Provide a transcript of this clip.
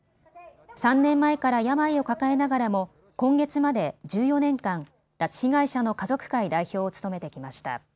３年前から病を抱えながらも今月まで１４年間、拉致被害者の家族会代表を務めてきました。